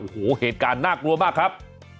โอ้โหเหตุการณ์น่ากลัวมากครับ